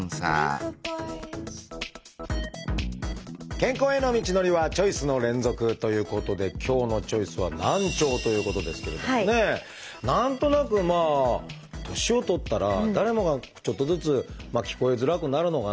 健康への道のりはチョイスの連続！ということで今日の「チョイス」は何となくまあ年を取ったら誰もがちょっとずつ聞こえづらくなるのかな